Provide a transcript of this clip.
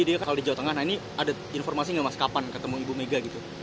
dia kalau di jawa tengah nah ini ada informasi nggak mas kapan ketemu ibu mega gitu